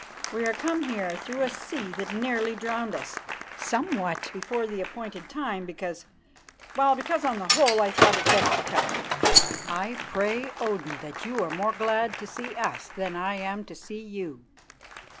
We are come here through a sea that nearly drowned us, somewhat before the appointed time, because well, because, on the whole, I thought it best to come. I pray Odin that you are more glad to see us than I am to see you."